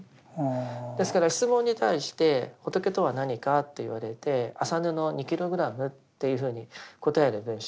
ですから質問に対して仏とは何かと言われて麻布２ｋｇっていうふうに答える文章。